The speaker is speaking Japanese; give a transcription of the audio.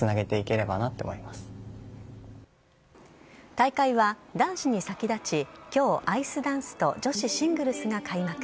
大会は男子に先立ち今日、アイスダンスと女子シングルスが開幕。